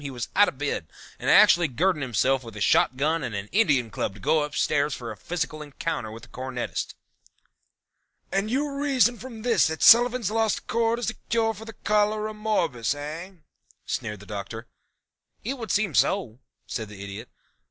he was out of bed and actually girding himself with a shotgun and an Indian Club to go upstairs for a physical encounter with the cornetist." "And you reason from this that Sullivan's Lost Chord is a cure for Cholera morbus, eh?" sneered the Doctor. "It would seem so," said the Idiot.